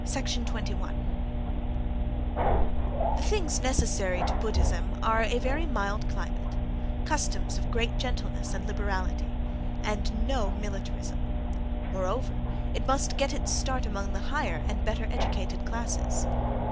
21. The things necessary to Buddhism are a very mild climate, customs of great gentleness and liberality, and no militarism; moreover, it must get its start among the higher and better edu cated classes.